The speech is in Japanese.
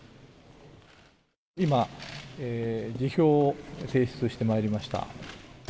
今、辞表を提出してまいりました。